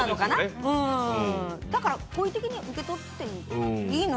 だから、好意的に受け取っていい。